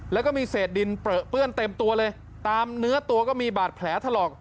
แล้วก็มีเศษดินเปลือเปื้อนเต็มตัวเลยตามเนื้อตัวก็มีบาดแผลถลอก